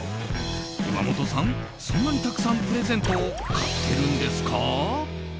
岩本さん、そんなにたくさんプレゼントを買ってるんですか？